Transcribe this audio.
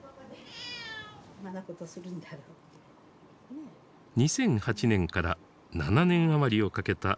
２００８年から７年余りをかけた中国語への翻訳。